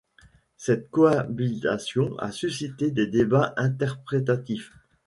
Cette cohabitation a suscité des débats interprétatifs.